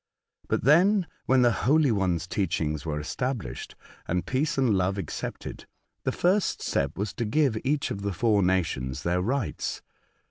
But then, when the Holy One's teachings were established, and peace and love accepted, the first step was to give each of the four natioDS their rights.